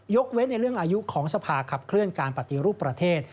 เว้นในเรื่องอายุของสภาขับเคลื่อนการปฏิรูปประเทศ